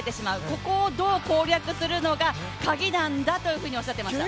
ここをどう攻略するのがカギなんだっておっしゃってました。